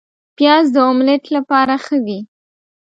پیاز د املیټ لپاره ښه وي